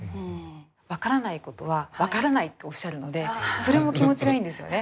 分からないことは分からないっておっしゃるのでそれも気持ちがいいんですよね。